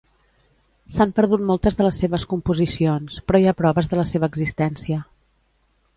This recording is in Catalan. S'han perdut moltes de les seves composicions, però hi ha proves de la seva existència.